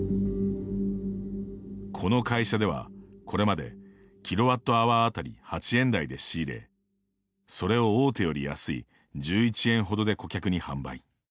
この会社では、これまでｋＷｈ当たり８円台で仕入れ、それを大手より安い１１円ほどで顧客に販売。